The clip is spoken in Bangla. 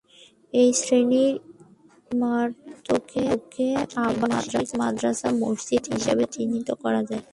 এ শ্রেণির ইমারতকে ‘আবাসিক মাদ্রাসা মসজিদ’ হিসেবে চিহ্নিত করা যায়।